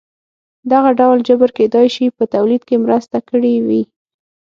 دغه ډول جبر کېدای شي په تولید کې مرسته کړې وي.